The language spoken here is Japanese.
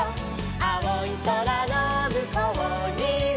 「あおいそらのむこうには」